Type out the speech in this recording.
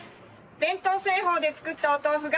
伝統製法で作ったお豆腐が。